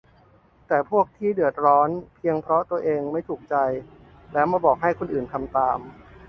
แต่พวกที่เดือดร้อนเพียงเพราะตัวเองไม่ถูกใจ แล้วมาบอกให้คนอื่นทำตาม